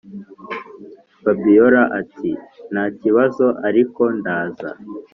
fabiora ati”ntakibazo ariko ndaza